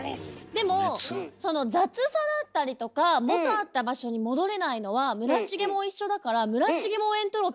でもその雑さだったりとか元あった場所に戻れないのは村重も一緒だから村重もエントロピーってこと？